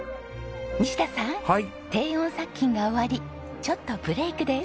低温殺菌が終わりちょっとブレイクです。